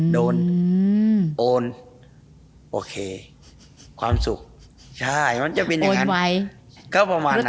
โดนโอนโอเคความสุขใช่ก็ประมาณนั้น